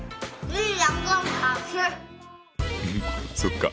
そっか。